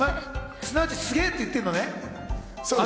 すなわち、すげえって言ってるのね。